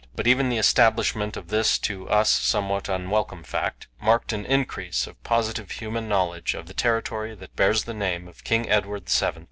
But even the establishment of this, to us, somewhat unwelcome fact marked an increase of positive human knowledge of the territory that bears the name of King Edward VII.